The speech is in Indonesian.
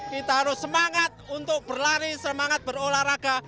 kita harus semangat untuk berlari semangat berolahraga